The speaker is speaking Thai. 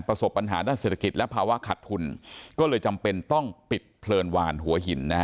ประสบปัญหาด้านเศรษฐกิจและภาวะขัดทุนก็เลยจำเป็นต้องปิดเพลินวานหัวหินนะฮะ